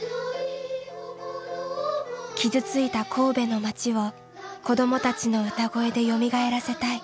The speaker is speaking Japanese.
傷ついた神戸の街を子どもたちの歌声でよみがえらせたい。